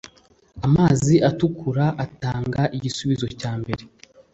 amazi atukura atanga igisubizo cyambere